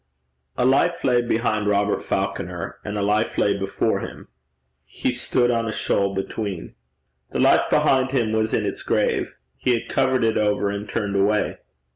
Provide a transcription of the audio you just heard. A life lay behind Robert Falconer, and a life lay before him. He stood on a shoal between. The life behind him was in its grave. He had covered it over and turned away.